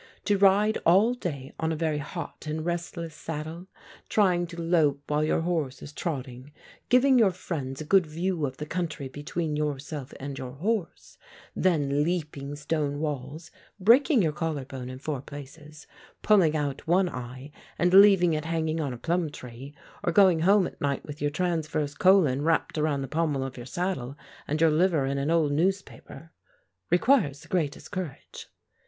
To ride all day on a very hot and restless saddle, trying to lope while your horse is trotting, giving your friends a good view of the country between yourself and your horse, then leaping stone walls, breaking your collar bone in four places, pulling out one eye and leaving it hanging on a plum tree, or going home at night with your transverse colon wrapped around the pommel of your saddle and your liver in an old newspaper, requires the greatest courage.